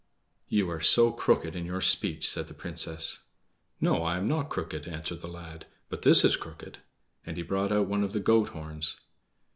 "You are so crooked in your speech," said the Princess. "No, I am not crooked," answered the lad; "but this is crooked"; and he brought out one of the goat horns.